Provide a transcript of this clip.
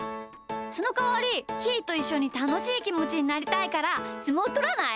そのかわりひーといっしょにたのしいきもちになりたいからすもうとらない？